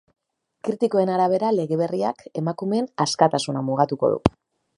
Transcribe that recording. Kritikoen arabera, lege berriak emakumeen askatasuna mugatuko du.